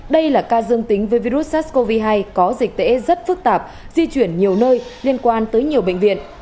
đây là ca dương tính với virus sars cov hai có dịch tễ rất phức tạp di chuyển nhiều nơi liên quan tới nhiều bệnh viện